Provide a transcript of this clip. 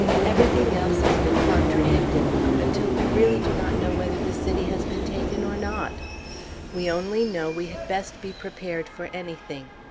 Everything else has been contradicted until we really do not know whether the city has been taken or not. We only know we had best be prepared for anything.